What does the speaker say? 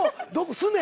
すね？